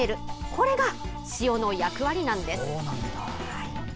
これが塩の役割なんです。